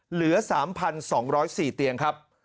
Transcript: เหลือ๓๒๐๔เตียง